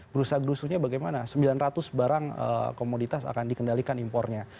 berusaha blusunya bagaimana sembilan ratus barang komoditas akan dikendalikan impornya